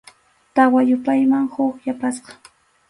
Tawa yupayman huk yapasqa.